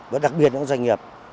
và đặc biệt các doanh nghiệp